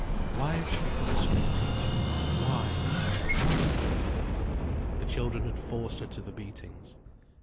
Why had she become a school teacher, why, why? The children had forced her to the beatings.